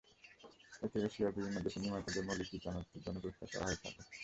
এতে এশিয়ার বিভিন্ন দেশের নির্মাতাদের মৌলিক চিত্রনাট্যের জন্য পুরস্কৃত করা হয়ে থাকে।